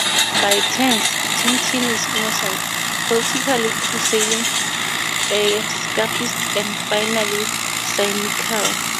By turns, Tintin is innocent, politically crusading, escapist, and finally cynical.